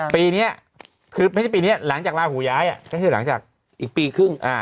ปีนี้คือไม่ใช่ปีนี้หลังจากลาหูย้ายก็คือหลังจากอีกปีครึ่ง